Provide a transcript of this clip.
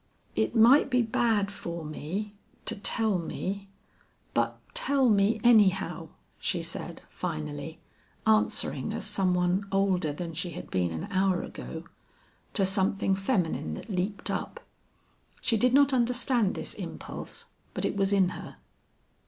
"It might be bad for me to tell me, but tell me, anyhow," she said, finally, answering as some one older than she had been an hour ago to something feminine that leaped up. She did not understand this impulse, but it was in her.